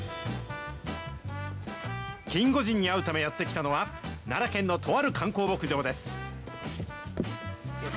キンゴジンに会うためやって来たのは、奈良県のとある観光牧場です。